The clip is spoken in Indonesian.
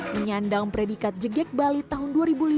menyandang predikat jegek bali tahun dua ribu lima